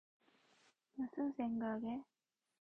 무슨 생각해?